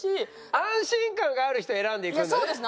安心感がある人選んでいくんだね。